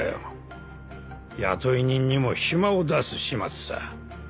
雇い人にも暇を出す始末さ。